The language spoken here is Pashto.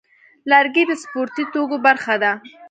لرګی د سپورتي توکو برخه ده.